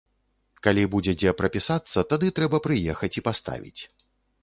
Калі будзе, дзе прапісацца, тады трэба прыехаць і паставіць.